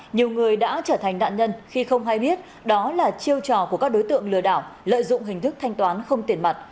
nhiều người đã trở thành nạn nhân khi không hay biết đó là chiêu trò của các đối tượng lừa đảo lợi dụng hình thức thanh toán không tiền mặt